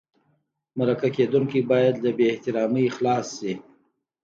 مرکه کېدونکی باید له بې احترامۍ خلاص شي.